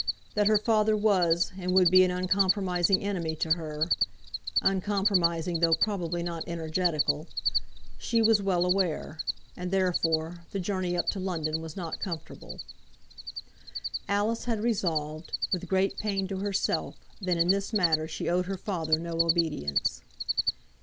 That her father was and would be an uncompromising enemy to her, uncompromising though probably not energetical, she was well aware; and, therefore, the journey up to London was not comfortable. Alice had resolved, with great pain to herself, that in this matter she owed her father no obedience.